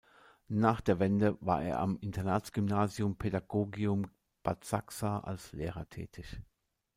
Nach der Wende war er am Internatsgymnasium Pädagogium Bad Sachsa als Lehrer tätig.